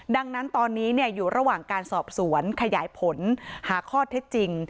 ดังนั้นตอนนี้อยู่ระหว่างการสอบสวนขยายผลหาข้อเท็จจริง